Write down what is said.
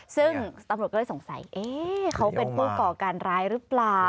ซึ่งตำรวจก็เลยสงสัยเขาเป็นผู้ก่อการร้ายหรือเปล่า